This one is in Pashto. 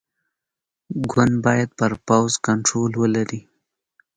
ګوند باید پر پوځ کنټرول ولري.